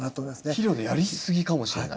肥料のやりすぎかもしれない？